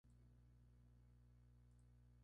Green y una segunda ronda de draft condicional.